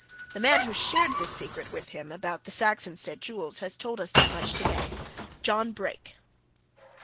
The man who shared this secret with him about the Saxonsteade jewels has told us that much, today. John Brake!"